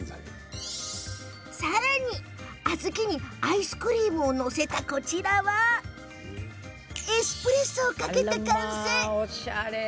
さらに、小豆にアイスクリームを載せたこちらはエスプレッソをかけて完成。